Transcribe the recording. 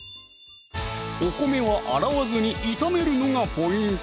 お米は洗わずに炒めるのがポイント